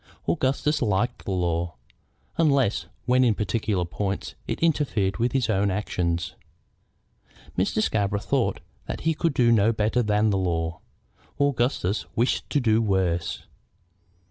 Augustus liked the law, unless when in particular points it interfered with his own actions. Mr. Scarborough thought that he could do better than the law. Augustus wished to do worse.